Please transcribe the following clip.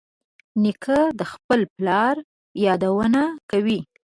نیکه د خپل پلار یادونه کوي.